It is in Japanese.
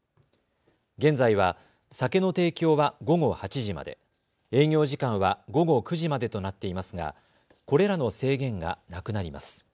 現在は酒の提供は午後８時まで、営業時間は午後９時までとなっていますがこれらの制限がなくなります。